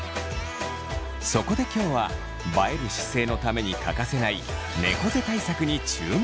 そこで今日は映える姿勢のために欠かせないねこ背対策に注目！